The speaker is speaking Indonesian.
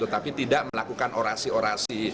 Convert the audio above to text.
tetapi tidak melakukan orasi orasi